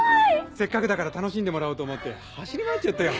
せっかくだから楽しんでもらおうと思って走り回っちゃったよ